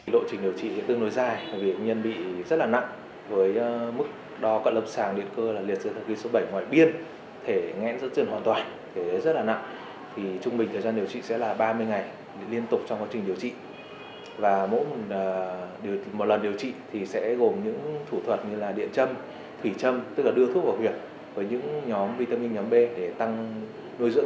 các bác sĩ điều trị bệnh nhân sẽ thực hiện lộ trình điều trị dài với việc kết hợp một loạt các phương pháp gồm điện châm thủy châm đưa thuốc vào huyệt và chiếu đèn hồng ngoại cũng như xòa bóp bấm huyệt dãn cơ mặt nhằm cải thiện các tình trạng trên